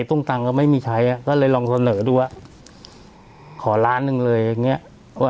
ต้องตั้งก็ไม่มีใช้ก็เลยลองเสนอดูว่าขอ๑ล้านบาทเลย